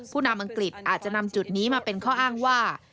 นำอังกฤษอาจจะนำจุดนี้มาเป็นข้ออ้างว่า